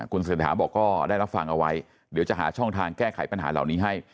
คุณเศรษฐาบอกก็ได้รับฟังเอาไว้เดี๋ยวจะหาช่องทางแก้ไขปัญหาเหล่านี้ให้